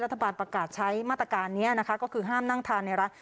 รัฐบาลประกาศใช้มาตรการนี้นะคะก็คือห้ามนั่งทานในรัฐ